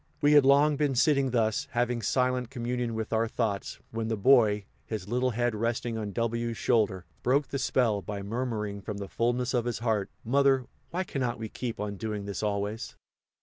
We had long been sitting thus, having silent communion with our thoughts, when the Boy, his little head resting on W 's shoulder, broke the spell by murmuring from the fullness of his heart, "Mother, why cannot we keep on doing this, always?"